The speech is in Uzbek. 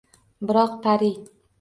Biroq pari